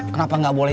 kenapa ga boleh